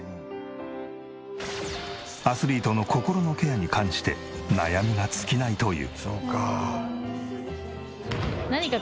アスリートの心のケアに関して悩みが尽きないという。